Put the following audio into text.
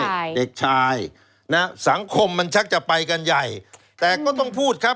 ใช่เด็กชายนะสังคมมันชักจะไปกันใหญ่แต่ก็ต้องพูดครับ